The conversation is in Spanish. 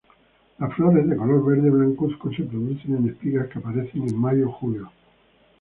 Las flores, de color verde blancuzco, se producen en espigas que aparecen en mayo-julio.